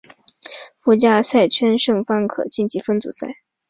附加赛圈胜方可晋级分组赛。